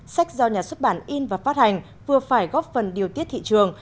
sách do nhà xuất bản in và phát hành vừa phải góp phần điều tiết thị trường